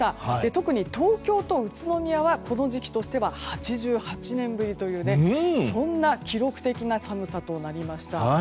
特に、東京と宇都宮はこの時期としては８８年ぶりというそんな記録的な寒さとなりました。